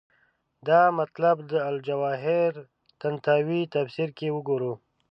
دا مطلب د الجواهر طنطاوي تفسیر کې وګورو.